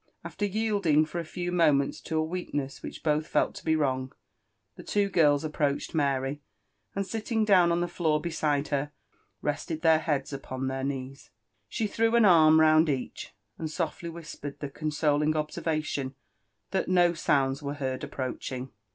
After yielding for a few moments to a weakness which both felt to be wrong, the two girls approached Mary, and silting down on the Qoor beside her, rested their heads upon their knees. She threw an arm round each, and softly whispered the consoling observation that no sounds were heard approaching.